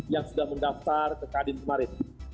yang sudah mendaftar ke kadin kemarin